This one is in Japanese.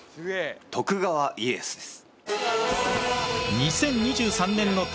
徳川家康です。